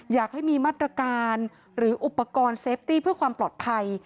อยากให้มีมาตรการหรืออุปกรณ์เซฟตี้เพื่อความปลอดภัย